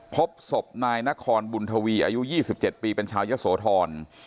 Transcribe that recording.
พบศพนายนครบุญทวีอายุ๒๗ปีเป็นชาวยะโสธร